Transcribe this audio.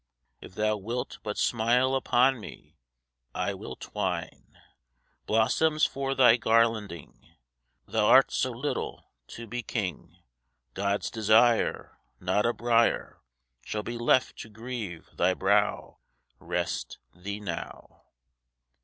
If Thou wilt but smile upon me, I will twine Blossoms for Thy garlanding. Thou'rt so little to be King, God's Desire! Not a brier Shall be left to grieve Thy brow; Rest Thee now.